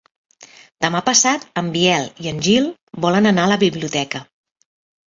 Demà passat en Biel i en Gil volen anar a la biblioteca.